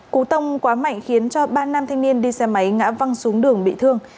cú tông quá mạnh khiến cho ba nam thanh niên đi xe máy ngã văng xuống đường bị thương